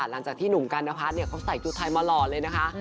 หลังจากที่หนุ่มกัณพัฒน์เขาใส่ชุดไทยมาหล่อเลยนะคะ